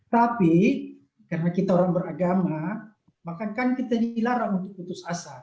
tapi karena kita orang beragama maka kan kita dilarang untuk putus asa